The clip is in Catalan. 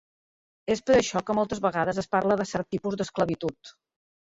És per això que moltes vegades es parla de cert tipus d'esclavitud.